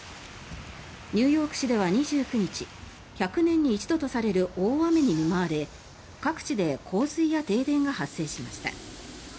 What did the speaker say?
ニューヨーク市では２９日１００年に一度とされる大雨に見舞われ各地で洪水や停電が発生しました。